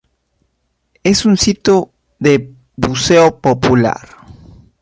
Es un sitio de buceo popular.